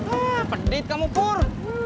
ah medit kamu pur